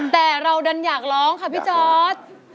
แต่เราก็ยังอยากร้องค่ะพี่จ๊อต